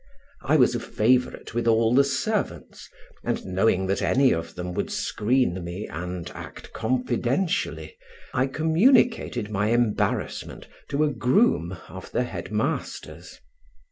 I was a favourite with all the servants, and knowing that any of them would screen me and act confidentially, I communicated my embarrassment to a groom of the head master's.